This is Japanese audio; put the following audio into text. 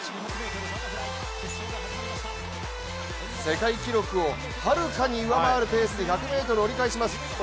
世界記録をはるかに上回るペースで１００ｍを折り返します。